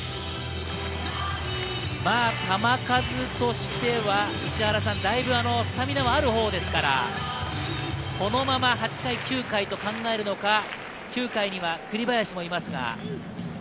球数としてはだいぶスタミナはあるほうですから、このまま８回、９回と考えるのか９回には栗林もいますが。